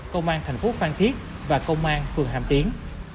công an thành phố phan thiết và công an phường hàm tiến